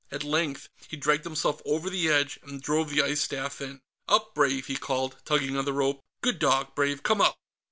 At length, he dragged himself over the edge and drove the ice staff in. "Up, Brave!" he called, tugging on the rope. "Good dog, Brave; come up!"